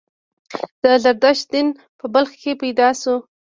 د زردشت دین په بلخ کې پیدا شو